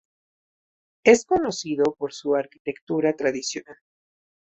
Es conocido por su arquitectura tradicional.